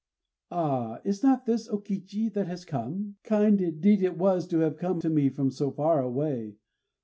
"Ah! is not this O Kichi that has come? Kind indeed it was to have come to me from so far away!